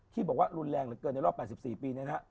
ที่บอกว่ารุนแรงเหลือเกินไปรอบ๘๔ปี